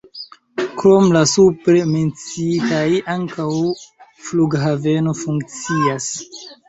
Krom la supre menciitaj ankaŭ flughaveno funkcias.